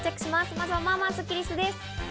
まずは、まあまあスッキりすです。